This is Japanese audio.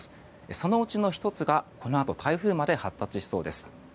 そのうちの１つが、このあと台風まで発達しそうです。